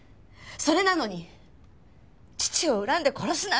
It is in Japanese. それなのに父を恨んで殺すなんて。